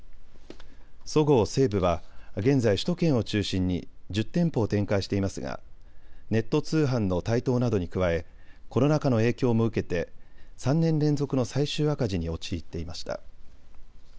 そごう・西武は現在、首都圏を中心に１０店舗を展開していますがネット通販の台頭などに加えコロナ禍の影響も受けて３年連続の最終赤字に陥っていました。